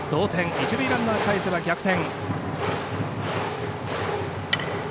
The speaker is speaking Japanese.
一塁ランナーかえせば逆転。